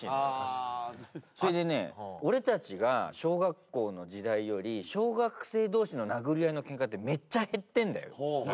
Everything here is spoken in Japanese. それでね俺たちが小学校の時代より小学生同士の殴り合いのケンカってめっちゃ減ってんだよ。